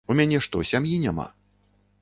У мяне што, сям'і няма?